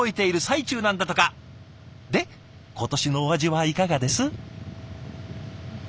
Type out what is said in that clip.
で今年のお味はいかがです？